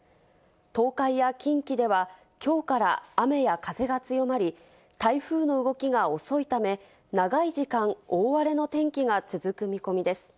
東海や近畿ではきょうから雨や風が強まり、台風の動きが遅いため、長い時間、大荒れの天気が続く見込みです。